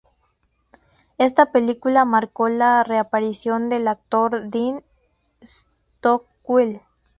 Esta película marcó la reaparición del actor Dean Stockwell.